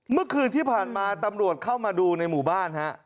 เมื่อคืนที่ผ่านมาตำรวจเข้ามาดูในหมู่บ้านฮะ